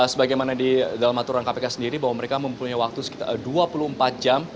sebagaimana di dalam aturan kpk sendiri bahwa mereka mempunyai waktu sekitar dua puluh empat jam